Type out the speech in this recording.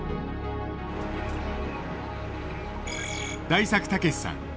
大作毅さん。